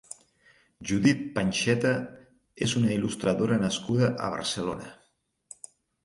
Judit Panxeta és una il·lustradora nascuda a Barcelona.